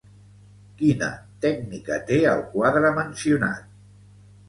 Quina tècnica té el quadre mencionat?